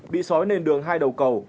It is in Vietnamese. bị sói nền đường hai đầu cầu